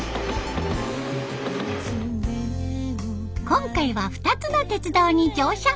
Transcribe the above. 今回は２つの鉄道に乗車。